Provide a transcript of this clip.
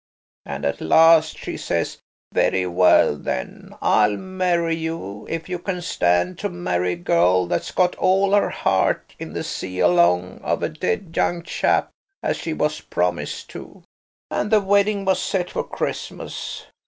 And at last she says, 'Very well, then, I'll marry you–if you can stand to marry a girl that's got all her heart in the sea along of a dead young chap as she was promised to.' And the wedding was set for Christmas.